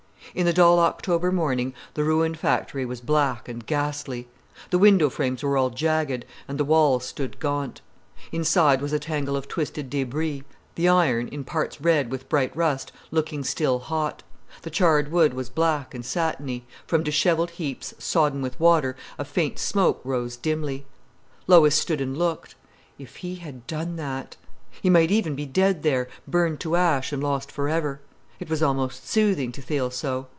In the dull October morning the ruined factory was black and ghastly. The window frames were all jagged, and the walls stood gaunt. Inside was a tangle of twisted débris, the iron, in parts red with bright rust, looking still hot; the charred wood was black and satiny; from dishevelled heaps, sodden with water, a faint smoke rose dimly. Lois stood and looked. If he had done that! He might even be dead there, burned to ash and lost for ever. It was almost soothing to feel so.